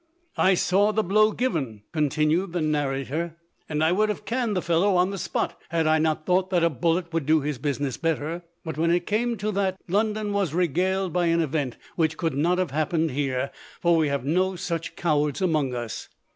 " I saw the blow given," continued the narra LODORE. 259 tor, " and I would have caned the fellow on the spot, had I not thought that a bullet would do his business better. But when it came to that, London was regaled by an event which could not have happened here, for we have no such cowards among us.